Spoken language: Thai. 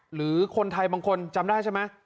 หรือคนไทยบางคนจำได้ใช่ไหม